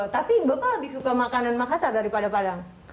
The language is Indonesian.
tapi bapak lebih suka makanan makassar daripada padang